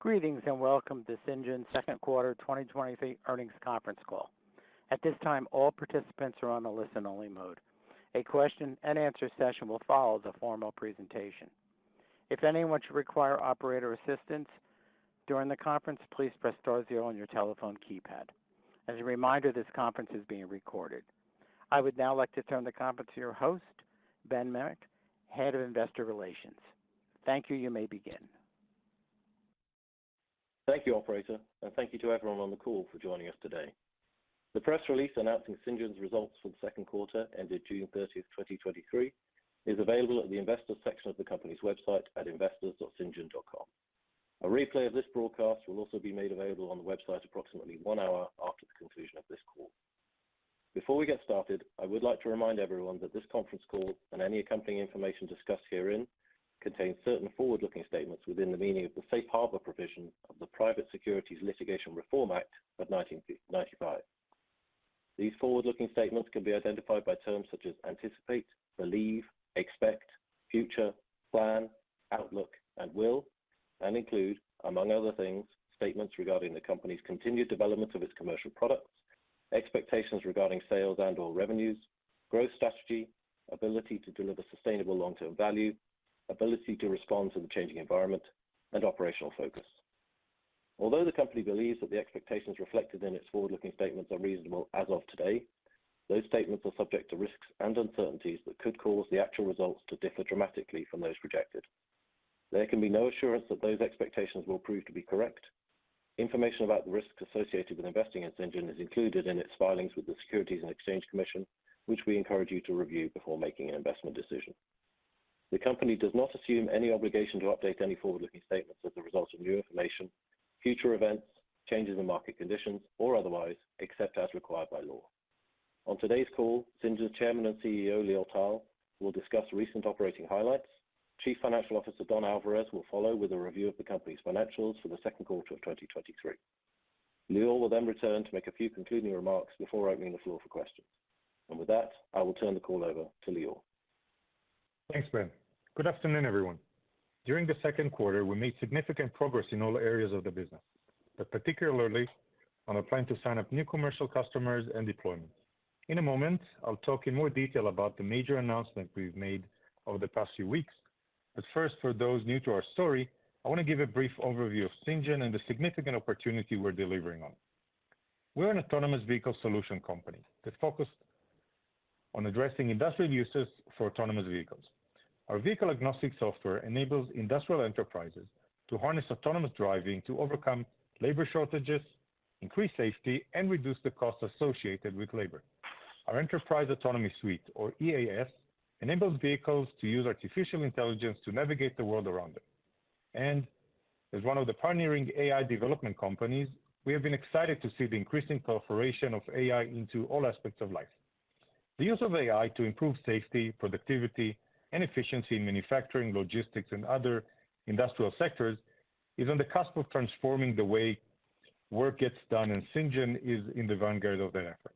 Greetings, and welcome to Cyngn's second quarter 2023 earnings conference call. At this time, all participants are on a listen-only mode. A question and answer session will follow the formal presentation. If anyone should require operator assistance during the conference, please press star 0 on your telephone keypad. As a reminder, this conference is being recorded. I would now like to turn the conference to your host, Ben Mimmack, Head of Investor Relations. Thank you. You may begin. Thank you, operator, and thank you to everyone on the call for joining us today. The press release announcing Cyngn's results for the second quarter ended June 30, 2023, is available at the investor section of the company's website at investors.cyngn.com. A replay of this broadcast will also be made available on the website approximately one hour after the conclusion of this call. Before we get started, I would like to remind everyone that this conference call and any accompanying information discussed herein contains certain forward-looking statements within the meaning of the Safe Harbor provision of the Private Securities Litigation Reform Act of 1995. These forward-looking statements can be identified by terms such as anticipate, believe, expect, future, plan, outlook, and will, and include, among other things, statements regarding the company's continued development of its commercial products, expectations regarding sales and/or revenues, growth strategy, ability to deliver sustainable long-term value, ability to respond to the changing environment, and operational focus. Although the company believes that the expectations reflected in its forward-looking statements are reasonable as of today, those statements are subject to risks and uncertainties that could cause the actual results to differ dramatically from those projected. There can be no assurance that those expectations will prove to be correct. Information about the risks associated with investing in Cyngn is included in its filings with the Securities and Exchange Commission, which we encourage you to review before making an investment decision. The company does not assume any obligation to update any forward-looking statements as a result of new information, future events, changes in market conditions, or otherwise, except as required by law. On today's call, Cyngn's Chairman and CEO, Lior Tal, will discuss recent operating highlights. Chief Financial Officer, Don Alvarez, will follow with a review of the company's financials for the second quarter of 2023. Lior will then return to make a few concluding remarks before opening the floor for questions. With that, I will turn the call over to Lior. Thanks, Ben. Good afternoon, everyone. During the second quarter, we made significant progress in all areas of the business, but particularly on our plan to sign up new commercial customers and deployments. In a moment, I'll talk in more detail about the major announcement we've made over the past few weeks, but first, for those new to our story, I want to give a brief overview of Cyngn and the significant opportunity we're delivering on. We're an autonomous vehicle solution company that focused on addressing industrial uses for autonomous vehicles. Our vehicle-agnostic software enables industrial enterprises to harness autonomous driving to overcome labor shortages, increase safety, and reduce the costs associated with labor. Our Enterprise Autonomy Suite, or EAS, enables vehicles to use artificial intelligence to navigate the world around them. As one of the pioneering AI development companies, we have been excited to see the increasing proliferation of AI into all aspects of life. The use of AI to improve safety, productivity, and efficiency in manufacturing, logistics, and other industrial sectors is on the cusp of transforming the way work gets done, and Cyngn is in the vanguard of that effort.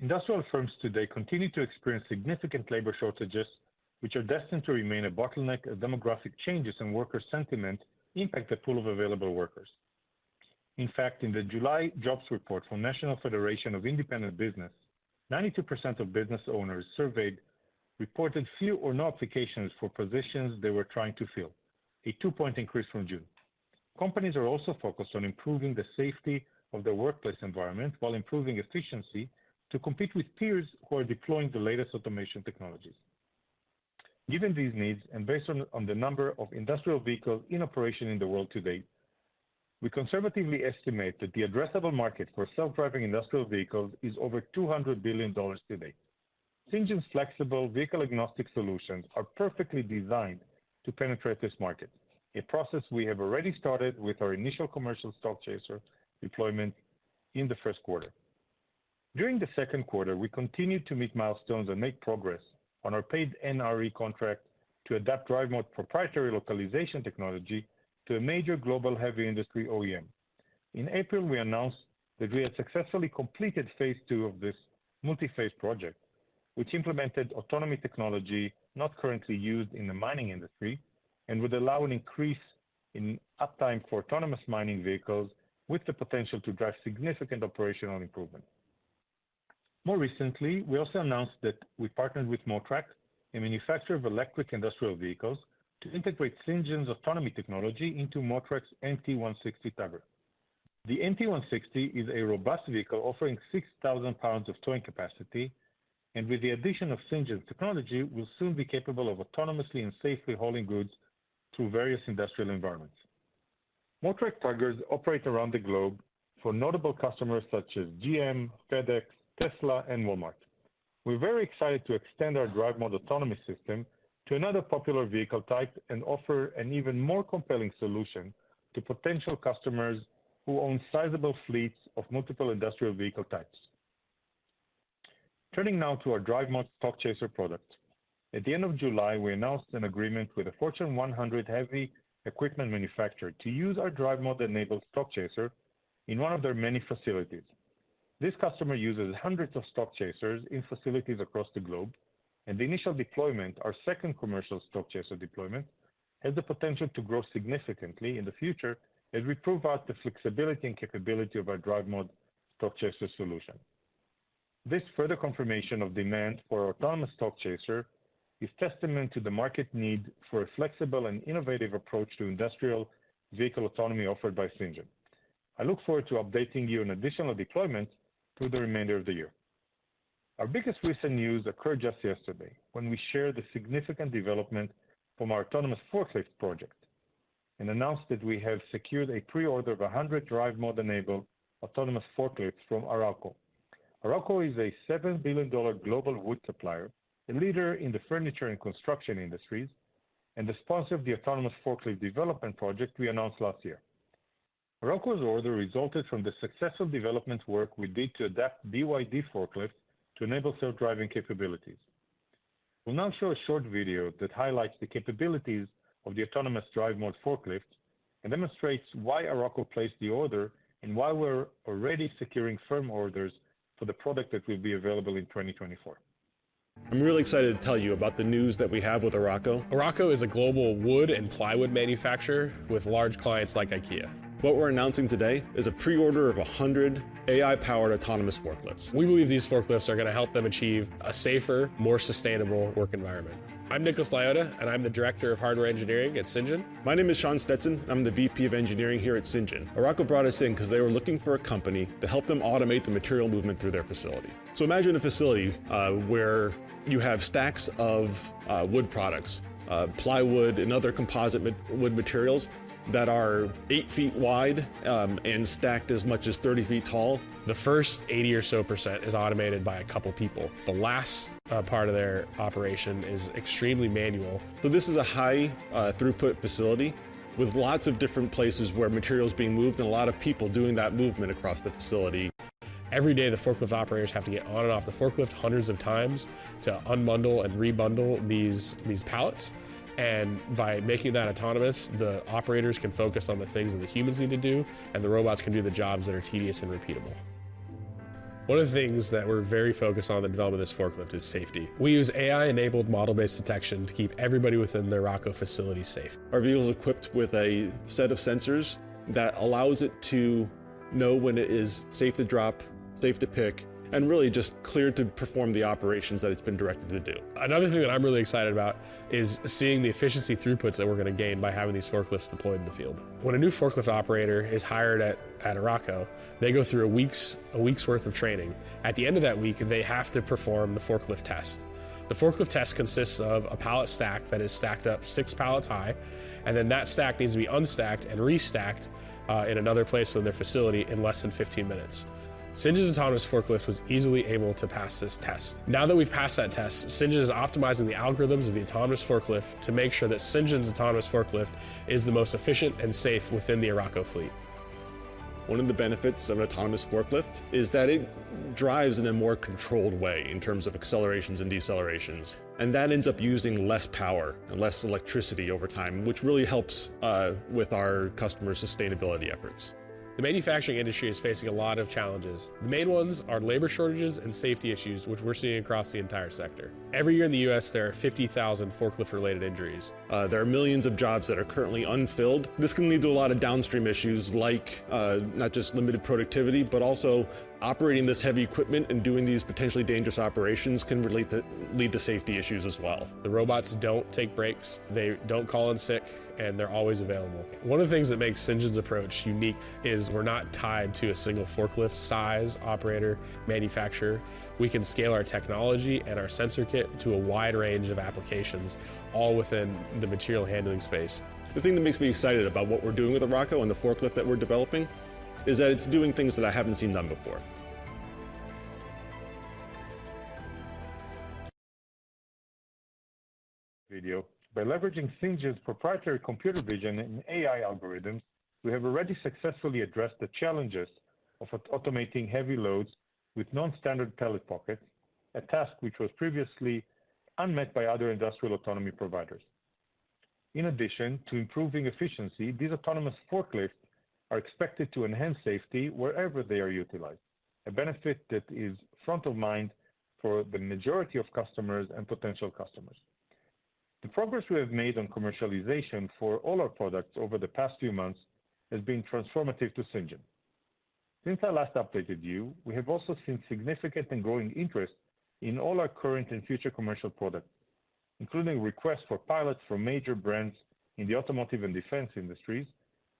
Industrial firms today continue to experience significant labor shortages, which are destined to remain a bottleneck as demographic changes and worker sentiment impact the pool of available workers. In fact, in the July jobs report from National Federation of Independent Business, 92% of business owners surveyed reported few or no applications for positions they were trying to fill, a two-point increase from June. Companies are also focused on improving the safety of their workplace environment while improving efficiency to compete with peers who are deploying the latest automation technologies. Given these needs, and based on the number of industrial vehicles in operation in the world today, we conservatively estimate that the addressable market for self-driving industrial vehicles is over $200 billion today. Cyngn's flexible vehicle-agnostic solutions are perfectly designed to penetrate this market, a process we have already started with our initial commercial Stockchaser deployment in the first quarter. During the second quarter, we continued to meet milestones and make progress on our paid NRE contract to adapt DriveMod proprietary localization technology to a major global heavy industry OEM. In April, we announced that we had successfully completed phase II of this multi-phase project, which implemented autonomy technology not currently used in the mining industry and would allow an increase in uptime for autonomous mining vehicles with the potential to drive significant operational improvement. More recently, we also announced that we partnered with Motrec, a manufacturer of electric industrial vehicles, to integrate Cyngn's autonomy technology into Motrec's MT-160 tugger. The MT-160 is a robust vehicle offering 6,000 pounds of towing capacity, and with the addition of Cyngn's technology, will soon be capable of autonomously and safely hauling goods through various industrial environments. Motrec tuggers operate around the globe for notable customers such as GM, FedEx, Tesla, and Walmart. We're very excited to extend our DriveMod autonomy system to another popular vehicle type and offer an even more compelling solution to potential customers who own sizable fleets of multiple industrial vehicle types. Turning now to our DriveMod Stockchaser product. At the end of July, we announced an agreement with a Fortune 100 heavy equipment manufacturer to use our DriveMod-enabled Stockchaser in one of their many facilities. This customer uses hundreds of Stockchasers in facilities across the globe, and the initial deployment, our second commercial Stockchaser deployment, has the potential to grow significantly in the future as we prove out the flexibility and capability of our DriveMod Stockchaser solution. This further confirmation of demand for autonomous Stockchaser is testament to the market need for a flexible and innovative approach to industrial vehicle autonomy offered by Cyngn. I look forward to updating you on additional deployments through the remainder of the year. Our biggest recent news occurred just yesterday when we shared the significant development from our autonomous forklift project and announced that we have secured a pre-order of 100 DriveMod-enabled autonomous forklifts from Arauco. Arauco is a $7 billion global wood supplier, a leader in the furniture and construction industries, and the sponsor of the autonomous forklift development project we announced last year. Arauco's order resulted from the successful development work we did to adapt BYD forklifts to enable self-driving capabilities. We'll now show a short video that highlights the capabilities of the autonomous DriveMod forklifts and demonstrates why Arauco placed the order and why we're already securing firm orders for the product that will be available in 2024. I'm really excited to tell you about the news that we have with Arauco. Arauco is a global wood and plywood manufacturer with large clients like IKEA. What we're announcing today is a pre-order of 100 AI-powered autonomous forklifts. We believe these forklifts are going to help them achieve a safer, more sustainable work environment. I'm Nicholas Liotta, and I'm the Director of Hardware Engineering at Cyngn. My name is Sean Stetson. I'm the VP of Engineering here at Cyngn. Arauco brought us in because they were looking for a company to help them automate the material movement through their facility. Imagine a facility, where you have stacks of wood products, plywood and other composite wood materials that are 8 ft wide, and stacked as much as 30 ft tall. The first 80% or so is automated by a couple of people. The last part of their operation is extremely manual. This is a high, throughput facility with lots of different places where material is being moved, and a lot of people doing that movement across the facility. Every day, the forklift operators have to get on and off the forklift hundreds of times to unbundle and rebundle these, these pallets. By making that autonomous, the operators can focus on the things that the humans need to do, and the robots can do the jobs that are tedious and repeatable. One of the things that we're very focused on in the development of this forklift is safety. We use AI-enabled model-based detection to keep everybody within the Arauco facility safe. Our vehicle is equipped with a set of sensors that allows it to know when it is safe to drop, safe to pick, and really just clear to perform the operations that it's been directed to do. Another thing that I'm really excited about is seeing the efficiency throughputs that we're going to gain by having these forklifts deployed in the field. When a new forklift operator is hired at Arauco, they go through a week's worth of training. At the end of that week, they have to perform the forklift test. The forklift test consists of a pallet stack that is stacked up 6 pallets high, and then that stack needs to be unstacked and restacked in another place within their facility in less than 15 minutes. Cyngn's autonomous forklift was easily able to pass this test. Now that we've passed that test, Cyngn is optimizing the algorithms of the autonomous forklift to make sure that Cyngn's autonomous forklift is the most efficient and safe within the Arauco fleet. One of the benefits of an autonomous forklift is that it drives in a more controlled way in terms of accelerations and decelerations, and that ends up using less power and less electricity over time, which really helps with our customer sustainability efforts. The manufacturing industry is facing a lot of challenges. The main ones are labor shortages and safety issues, which we're seeing across the entire sector. Every year in the U.S., there are 50,000 forklift-related injuries. There are millions of jobs that are currently unfilled. This can lead to a lot of downstream issues like not just limited productivity, but also operating this heavy equipment and doing these potentially dangerous operations can lead to safety issues as well. The robots don't take breaks, they don't call in sick, and they're always available. One of the things that makes Cyngn's approach unique is we're not tied to a single forklift size, operator, manufacturer. We can scale our technology and our sensor kit to a wide range of applications, all within the material handling space. The thing that makes me excited about what we're doing with Arauco and the forklift that we're developing is that it's doing things that I haven't seen done before. Video. By leveraging Cyngn's proprietary computer vision and AI algorithms, we have already successfully addressed the challenges of automating heavy loads with non-standard pallet pockets, a task which was previously unmet by other industrial autonomy providers. In addition to improving efficiency, these autonomous forklifts are expected to enhance safety wherever they are utilized, a benefit that is front of mind for the majority of customers and potential customers. The progress we have made on commercialization for all our products over the past few months has been transformative to Cyngn. Since I last updated you, we have also seen significant and growing interest in all our current and future commercial products, including requests for pilots from major brands in the automotive and defense industries,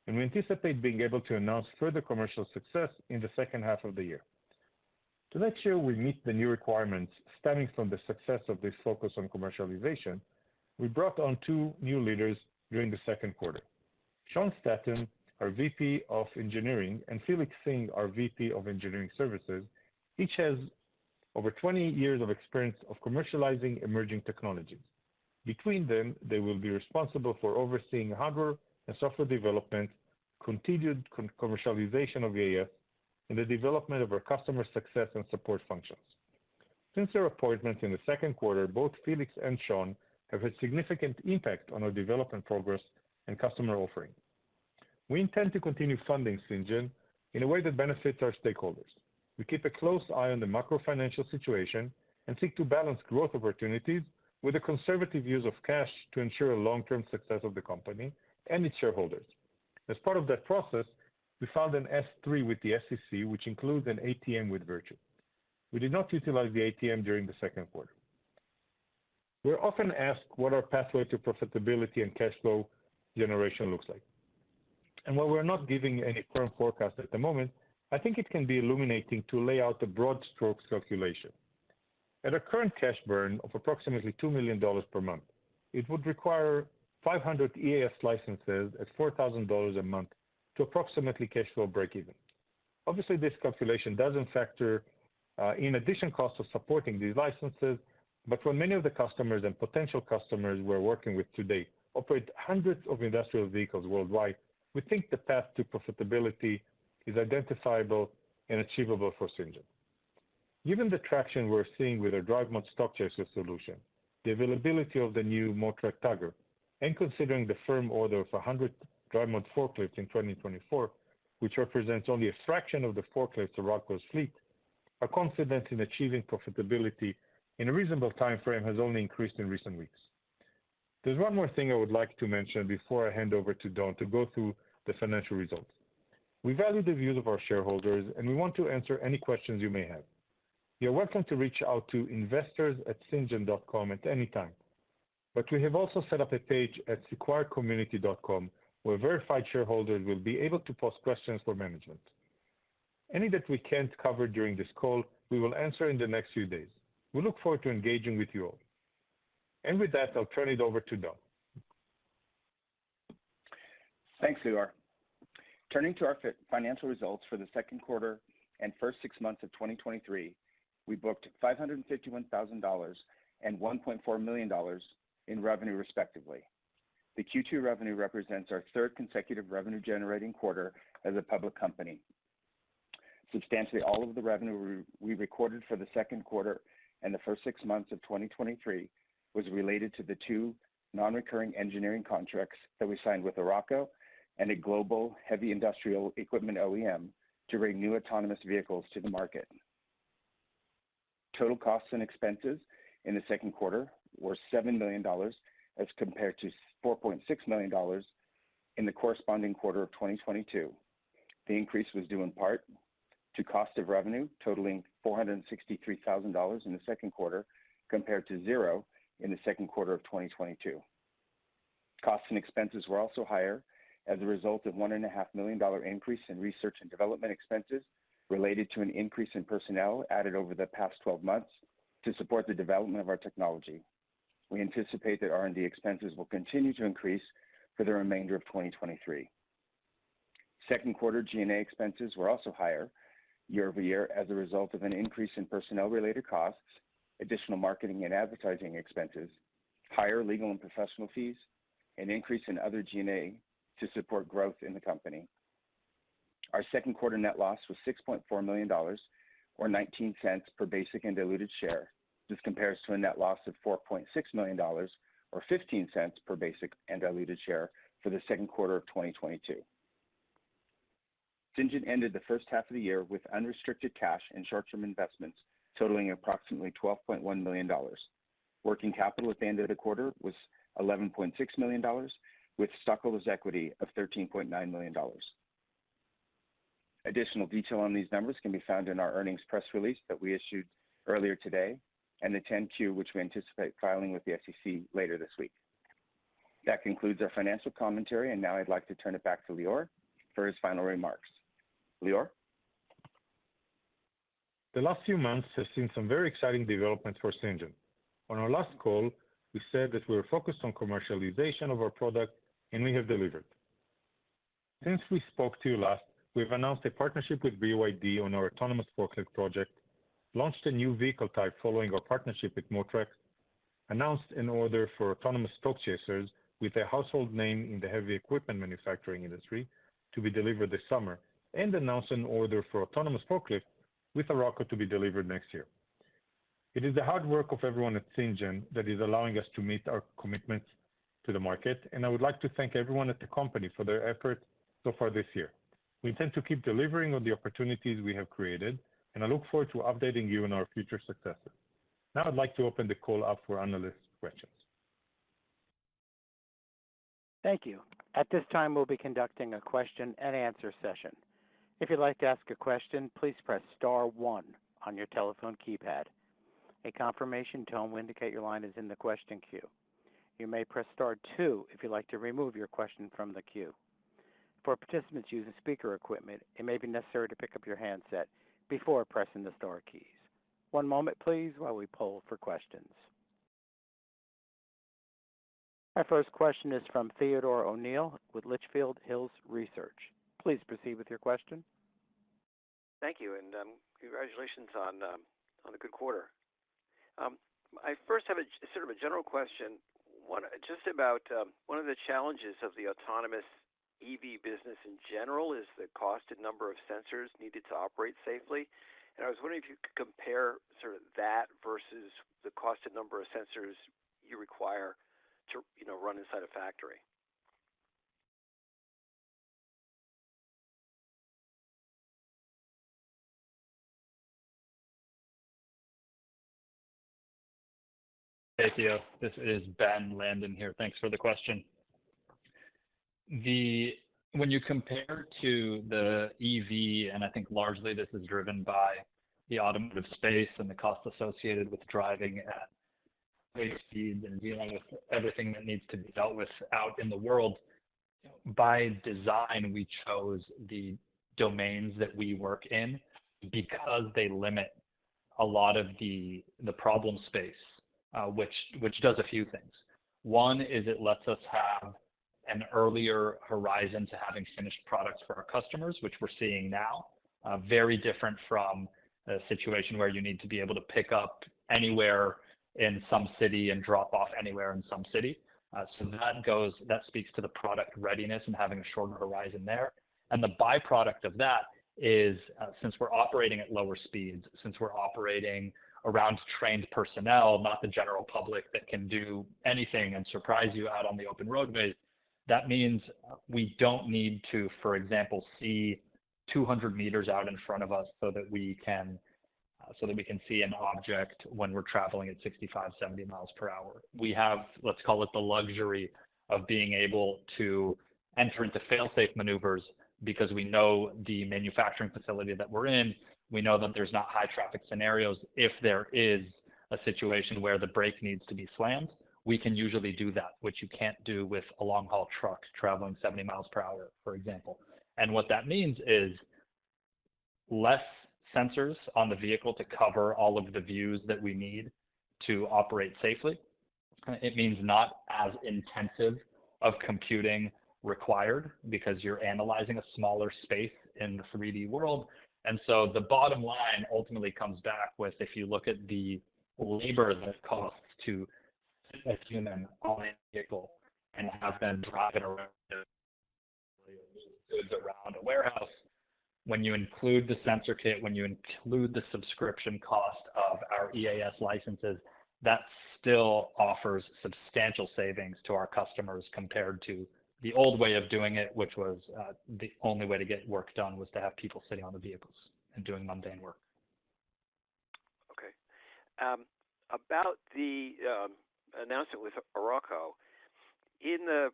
and we anticipate being able to announce further commercial success in the second half of the year. To make sure we meet the new requirements stemming from the success of this focus on commercialization, we brought on two new leaders during the second quarter. Sean Stetson, our VP of Engineering, and Felix Singh, our VP of Engineering Services, each has over 20 years of experience of commercializing emerging technologies. Between them, they will be responsible for overseeing hardware and software development, continued commercialization of EAS, and the development of our customer success and support functions.... Since their appointments in the second quarter, both Felix and Sean have had significant impact on our development progress and customer offering. We intend to continue funding Cyngn in a way that benefits our stakeholders. We keep a close eye on the macro financial situation and seek to balance growth opportunities with a conservative use of cash to ensure a long-term success of the company and its shareholders. As part of that process, we filed an S-3 with the SEC, which includes an ATM with Virtu. We did not utilize the ATM during the second quarter. While we're not giving any firm forecast at the moment, I think it can be illuminating to lay out the broad strokes calculation. At our current cash burn of approximately $2 million per month, it would require 500 EAS licenses at $4,000 a month to approximately cash flow breakeven. Obviously, this calculation doesn't factor in addition, cost of supporting these licenses, for many of the customers and potential customers we're working with today operate hundreds of industrial vehicles worldwide, we think the path to profitability is identifiable and achievable for Cyngn. Given the traction we're seeing with our DriveMod Stockchaser solution, the availability of the new Motrec Tugger, and considering the firm order of 100 DriveMod forklifts in 2024, which represents only a fraction of the forklifts of Arauco's fleet, our confidence in achieving profitability in a reasonable timeframe has only increased in recent weeks. There's one more thing I would like to mention before I hand over to Don to go through the financial results. We value the views of our shareholders, and we want to answer any questions you may have. You're welcome to reach out to investors.cyngn.com at any time, but we have also set up a page at sequoiacommunity.com, where verified shareholders will be able to post questions for management. Any that we can't cover during this call, we will answer in the next few days. We look forward to engaging with you all. With that, I'll turn it over to Don. Thanks, Lior. Turning to our financial results for the second quarter and first six months of 2023, we booked $551,000 and $1.4 million in revenue, respectively. The Q2 revenue represents our third consecutive revenue-generating quarter as a public company. Substantially, all of the revenue we, we recorded for the second quarter and the first six months of 2023 was related to the two nonrecurring engineering contracts that we signed with Arauco and a global heavy industrial equipment OEM to bring new autonomous vehicles to the market. Total costs and expenses in the second quarter were $7 million, as compared to $4.6 million in the corresponding quarter of 2022. The increase was due in part to cost of revenue, totaling $463,000 in the second quarter, compared to 0 in the second quarter of 2022. Costs and expenses were also higher as a result of a $1.5 million increase in research and development expenses, related to an increase in personnel added over the past 12 months to support the development of our technology. We anticipate that R&D expenses will continue to increase for the remainder of 2023. Second quarter G&A expenses were also higher year-over-year as a result of an increase in personnel-related costs, additional marketing and advertising expenses, higher legal and professional fees, an increase in other G&A to support growth in the company. Our second quarter net loss was $6.4 million, or $0.19 per basic and diluted share. This compares to a net loss of $4.6 million or $0.15 per basic and diluted share for the second quarter of 2022. Cyngn ended the first half of the year with unrestricted cash and short-term investments totaling approximately $12.1 million. Working capital at the end of the quarter was $11.6 million, with stockholders' equity of $13.9 million. Additional detail on these numbers can be found in our earnings press release that we issued earlier today and the 10-Q, which we anticipate filing with the SEC later this week. That concludes our financial commentary. Now I'd like to turn it back to Lior for his final remarks. Lior? The last few months have seen some very exciting developments for Cyngn. On our last call, we said that we were focused on commercialization of our product, and we have delivered. Since we spoke to you last, we've announced a partnership with BYD on our autonomous forklift project, launched a new vehicle type following our partnership with Motrec, announced an order for autonomous Stockchasers with a household name in the heavy equipment manufacturing industry to be delivered this summer, and announced an order for autonomous forklift with Arauco to be delivered next year. It is the hard work of everyone at Cyngn that is allowing us to meet our commitments to the market, and I would like to thank everyone at the company for their efforts so far this year. We intend to keep delivering on the opportunities we have created, and I look forward to updating you on our future successes. Now I'd like to open the call up for analyst questions. Thank you. At this time, we'll be conducting a question and answer session. If you'd like to ask a question, please press star 1 on your telephone keypad. A confirmation tone will indicate your line is in the question queue. You may press star two if you'd like to remove your question from the queue. For participants using speaker equipment, it may be necessary to pick up your handset before pressing the star keys. One moment please, while we pull for questions. Our first question is from Theodore O'Neill with Litchfield Hills Research. Please proceed with your question. Thank you, and congratulations on a good quarter. I first have a sort of a general question. One, just about one of the challenges of the autonomous EV business in general, is the cost and number of sensors needed to operate safely. I was wondering if you could compare sort of that versus the cost and number of sensors you require to, you know, run inside a factory. Hey, Theo, this is Ben Landen here. Thanks for the question. When you compare to the EV, I think largely this is driven by the automotive space and the cost associated with driving at high speeds and dealing with everything that needs to be dealt with out in the world, by design, we chose the domains that we work in because they limit a lot of the problem space, which, which does a few things. One is it lets us have an earlier horizon to having finished products for our customers, which we're seeing now. Very different from a situation where you need to be able to pick up anywhere in some city and drop off anywhere in some city. That speaks to the product readiness and having a shorter horizon there. The byproduct of that is, since we're operating at lower speeds, since we're operating around trained personnel, not the general public that can do anything and surprise you out on the open roadway, that means we don't need to, for example, see 200 meters out in front of us so that we can, so that we can see an object when we're traveling at 65, 70 miles per hour. We have, let's call it, the luxury of being able to enter into fail-safe maneuvers because we know the manufacturing facility that we're in. We know that there's not high traffic scenarios. If there is a situation where the brake needs to be slammed, we can usually do that, which you can't do with a long-haul truck traveling 70 miles per hour, for example. What that means is less sensors on the vehicle to cover all of the views that we need to operate safely. It means not as intensive of computing required because you're analyzing a smaller space in the 3D world. The bottom line ultimately comes back with, if you look at the labor that it costs to put a human on a vehicle and have them drive it around a, around a warehouse, when you include the sensor kit, when you include the subscription cost of our EAS licenses, that still offers substantial savings to our customers, compared to the old way of doing it, which was the only way to get work done, was to have people sitting on the vehicles and doing mundane work. Okay. about the announcement with Arauco. In the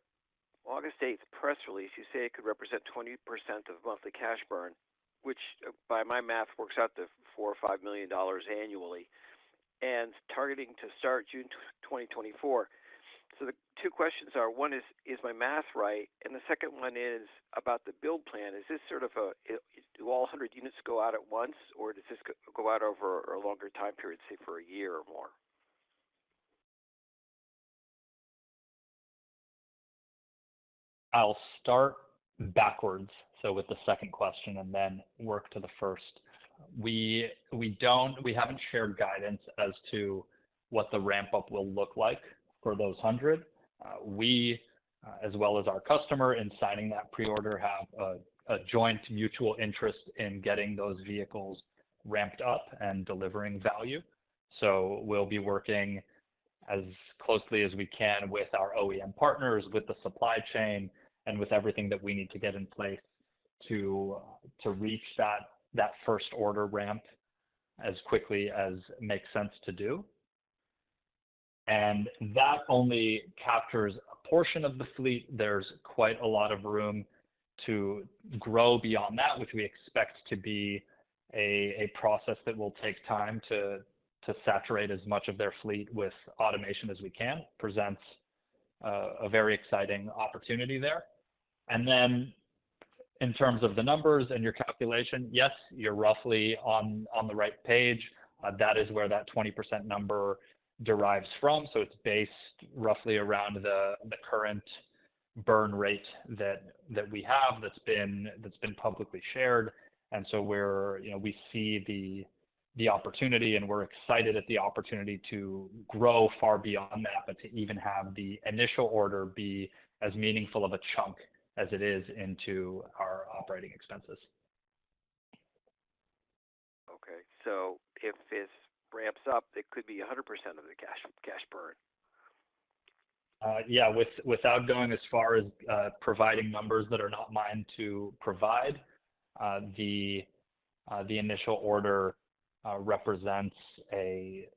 August 8th press release, you say it could represent 20% of monthly cash burn, which, by my math, works out to $4 million-$5 million annually, and targeting to start June 2024. The two questions are, one is, is my math right? And the 2nd one is about the build plan. Is this sort of a, do all 100 units go out at once, or does this go out over a longer time period, say, for one year or more? I'll start backwards, with the 2nd question, and then work to the 1st. We haven't shared guidance as to what the ramp-up will look like for those 100. We, as well as our customer in signing that pre-order, have a joint mutual interest in getting those vehicles ramped up and delivering value. We'll be working as closely as we can with our OEM partners, with the supply chain, and with everything that we need to get in place to reach that 1st order ramp as quickly as makes sense to do. That only captures a portion of the fleet. There's quite a lot of room to grow beyond that, which we expect to be a process that will take time to saturate as much of their fleet with automation as we can. Presents a very exciting opportunity there. In terms of the numbers and your calculation, yes, you're roughly on the right page. That is where that 20% number derives from. It's based roughly around the current burn rate that we have, that's been publicly shared. We're... You know, we see the opportunity, and we're excited at the opportunity to grow far beyond that, but to even have the initial order be as meaningful of a chunk as it is into our operating expenses. Okay. If this ramps up, it could be 100% of the cash, cash burn? Yeah, without going as far as providing numbers that are not mine to provide, the, the initial order represents a,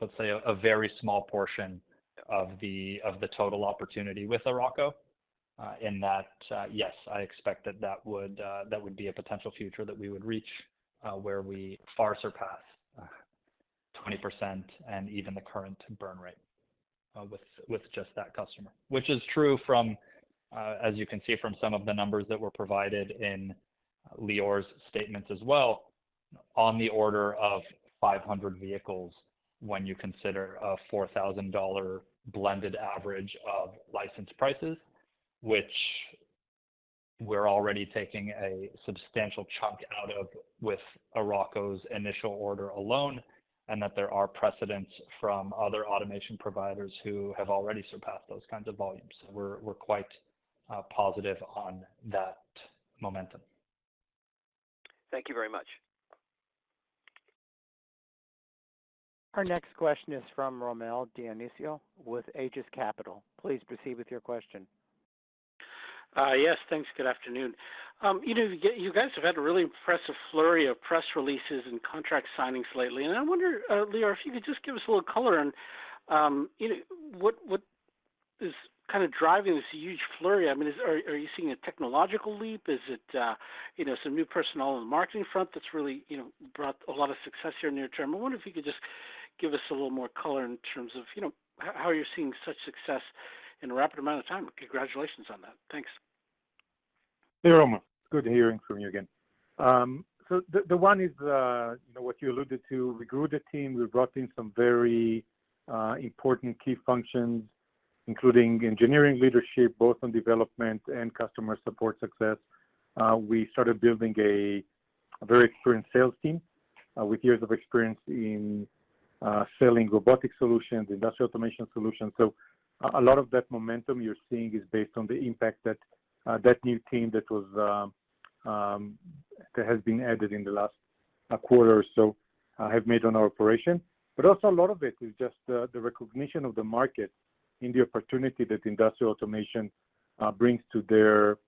let's say, a very small portion of the, of the total opportunity with Arauco. In that, yes, I expect that that would that would be a potential future that we would reach, where we far surpass 20% and even the current burn rate with just that customer. Which is true from as you can see, from some of the numbers that were provided in Lior's statements as well, on the order of 500 vehicles, when you consider a $4,000 blended average of license prices, Which... we're already taking a substantial chunk out of with Arauco's initial order alone. There are precedents from other automation providers who have already surpassed those kinds of volumes. We're quite positive on that momentum. Thank you very much. Our next question is from Rommel Dionisio with Aegis Capital. Please proceed with your question. Yes, thanks. Good afternoon. You know, you, you guys have had a really impressive flurry of press releases and contract signings lately, and I wonder, Lior, if you could just give us a little color on, you know, what, what is kind of driving this huge flurry? I mean, are, are you seeing a technological leap? Is it, you know, some new personnel on the marketing front that's really, you know, brought a lot of success here near term? I wonder if you could just give us a little more color in terms of, you know, how, how you're seeing such success in a rapid amount of time. Congratulations on that. Thanks. Hey, Rommel. It's good hearing from you again. The one is, you know, what you alluded to. We grew the team. We brought in some very important key functions, including engineering leadership, both on development and customer support success. We started building a very experienced sales team with years of experience in selling robotic solutions, industrial automation solutions. A lot of that momentum you're seeing is based on the impact that that new team that was that has been added in the last quarter or so have made on our operation. Also a lot of it is just the recognition of the market and the opportunity that industrial automation brings to their,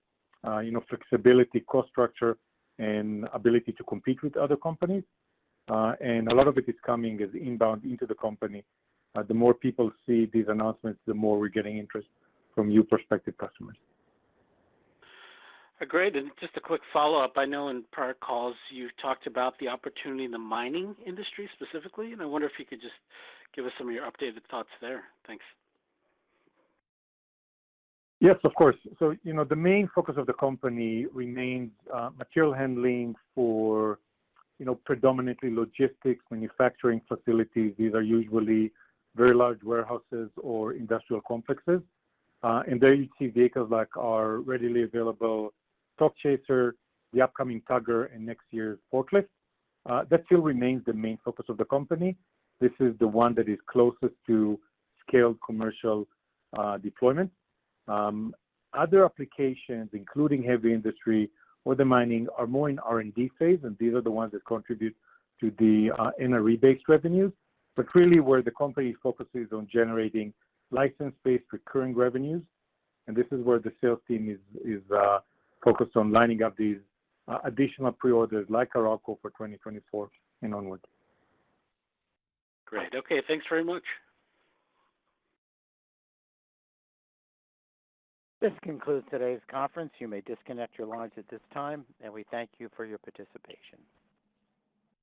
you know, flexibility, cost structure, and ability to compete with other companies. A lot of it is coming as inbound into the company. The more people see these announcements, the more we're getting interest from new prospective customers. Great. Just a quick follow-up. I know in prior calls, you've talked about the opportunity in the mining industry specifically, and I wonder if you could just give us some of your updated thoughts there. Thanks. Yes, of course. You know, the main focus of the company remains material handling for, you know, predominantly logistics, manufacturing facilities. These are usually very large warehouses or industrial complexes. And there you see vehicles like our readily available Stockchaser, the upcoming Tugger, and next year's forklift. That still remains the main focus of the company. This is the one that is closest to scale commercial deployment. Other applications, including heavy industry or the mining, are more in R&D phase, and these are the ones that contribute to the NRE-based revenues. Really, where the company's focus is on generating license-based recurring revenues, and this is where the sales team is, is focused on lining up these additional preorders like Arauco for 2024 and onwards. Great. Okay, thanks very much. This concludes today's conference. You may disconnect your lines at this time. We thank you for your participation.